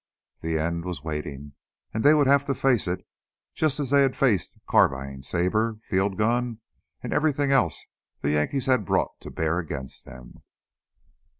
The end was waiting and they would have to face it, just as they had faced carbine, saber, field gun and everything else the Yankees had brought to bear against them.